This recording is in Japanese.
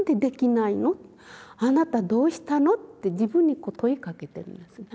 あなたどうしたの？」って自分に問いかけてるんですね。